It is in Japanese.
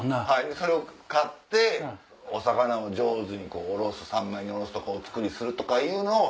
それを買ってお魚を上手に三枚におろすとかお造りするとかいうのを。